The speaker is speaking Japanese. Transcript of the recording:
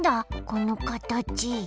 このかたち。